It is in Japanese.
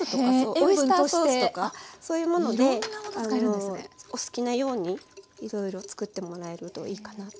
オイスターソースとかそういうものでお好きなようにいろいろ作ってもらえるといいかなと。